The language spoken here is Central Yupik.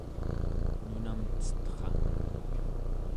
nunam cetra